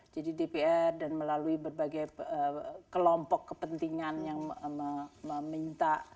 jadi dpr dan melalui berbagai kelompok kepentingan yang meminta